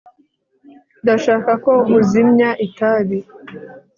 ndashaka ko uzimya itabi